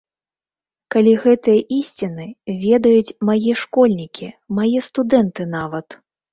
Калі гэтыя ісціны ведаюць мае школьнікі, мае студэнты нават!